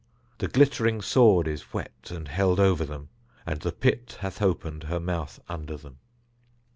The glittering sword is whet and held over them, and the pit hath opened her mouth under them.